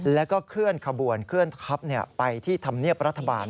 แล้วก็เคลื่อนขบวนเคลื่อนทัพไปที่ธรรมเนียบรัฐบาล